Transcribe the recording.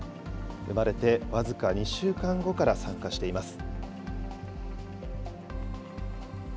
産まれて僅か２週間後から参加しています。